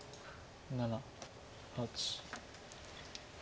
７８。